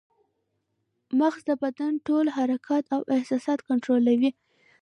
مغز د بدن ټول حرکات او احساسات کنټرولوي